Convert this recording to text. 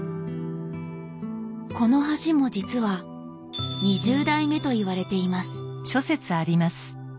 この橋も実は２０代目といわれています。